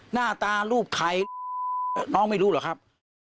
หน้าตารูปใครน้องไม่รู้เหรอครับ